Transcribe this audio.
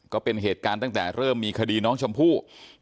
ก็เป็นเหตุการณ์ตั้งแต่เริ่มมีคดีน้องชมพู่